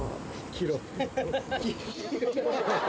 キロ？